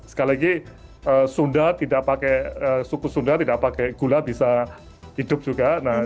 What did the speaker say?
sekali lagi sunda tidak pakai suku sunda tidak pakai gula bisa hidup juga